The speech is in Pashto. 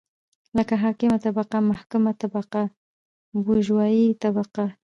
لکه حاکمه طبقه ،محکومه طبقه بوژوايي طبقه